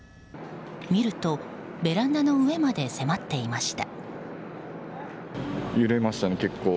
見ると、ベランダの上まで迫っていました。